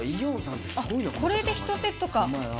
あっ、これで１セットか。